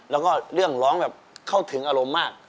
แล้วก็เรื่องร้องแบบเข้าถึงอารมณ์มาก